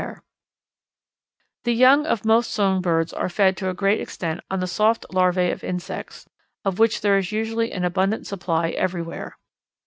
[Illustration: A Bird Bath] The young of most song birds are fed to a great extent on the soft larvae of insects, of which there is usually an abundant supply everywhere.